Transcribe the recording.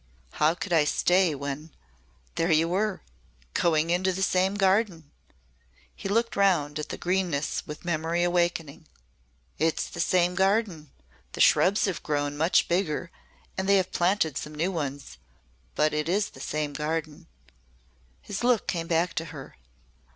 "How could I stay when there you were! Going into the same garden!" He looked round him at the greenness with memory awakening. "It's the same garden. The shrubs have grown much bigger and they have planted some new ones but it is the same garden." His look came back to her.